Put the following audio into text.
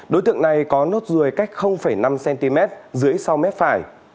đối tượng này có nốt ruồi cách năm cm dưới sau mép phải